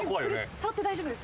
触って大丈夫です。